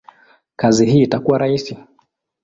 kazi hii itakuwa rahisi?